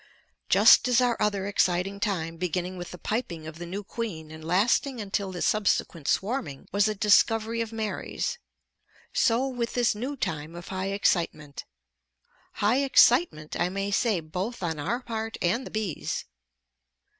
Just as our other exciting time beginning with the piping of the new queen and lasting until the subsequent swarming was a discovery of Mary's, so with this new time of high excitement; high excitement I may say both on our part and the bees'.